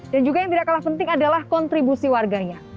dan juga yang tidak kalah penting adalah kontribusi warganya